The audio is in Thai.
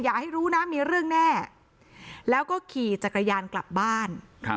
อยากให้รู้นะมีเรื่องแน่แล้วก็ขี่จักรยานกลับบ้าน